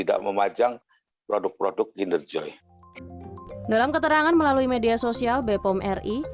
dalam keterangan melalui media sosial bepom ri